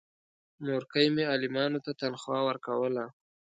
مورکۍ مې عالمانو ته تنخوا ورکوله.